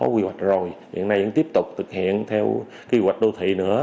quy hoạch rồi hiện nay vẫn tiếp tục thực hiện theo quy hoạch đô thị nữa